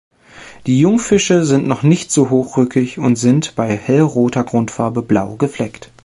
Die Jungfische sind noch nicht so hochrückig und sind, bei hellroter Grundfarbe, blau gefleckt.